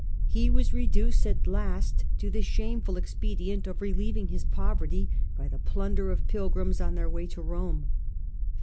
He was reduced at lasb to the shameful expedient of relieving his poverty by the plunder of pilgrims on their way to Rome.